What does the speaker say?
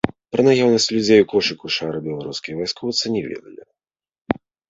Пра наяўнасць людзей у кошыку шара беларускія вайскоўцы не ведалі.